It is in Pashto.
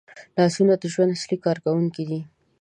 لاسونه د ژوند اصلي کارکوونکي دي